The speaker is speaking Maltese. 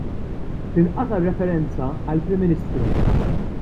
Tinqata' r-referenza għall-Prim Ministru.